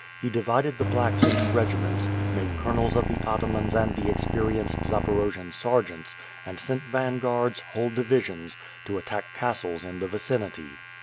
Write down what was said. He divided the blacks into regiments, made colonels of the atamans and the experienced Zaporojian sergeants, and sent vanguards, whole divisions, to attack castles in the vicinity.